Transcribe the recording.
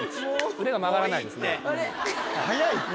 腕が曲がらないですね。